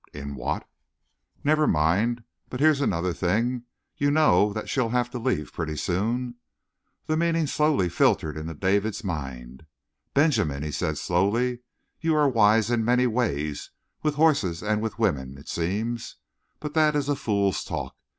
"In what?" "Never mind. But here's another thing. You know that she'll have to leave pretty soon?" The meaning slowly filtered into David's mind. "Benjamin," he said slowly, "you are wise in many ways, with horses and with women, it seems. But that is a fool's talk.